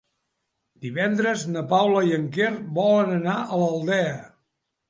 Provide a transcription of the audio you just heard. Divendres na Paula i en Quer volen anar a l'Aldea.